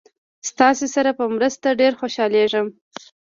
ستاسې سره په مرسته ډېر خوشحالیږم.